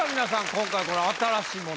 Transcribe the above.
今回これ新しいもの。